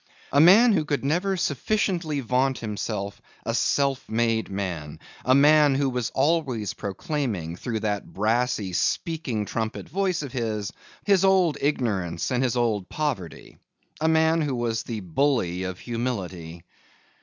A man who could never sufficiently vaunt himself a self made man. A man who was always proclaiming, through that brassy speaking trumpet of a voice of his, his old ignorance and his old poverty. A man who was the Bully of humility.